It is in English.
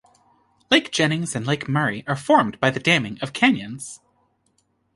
Lake Jennings and Lake Murray are formed by the damming of canyons.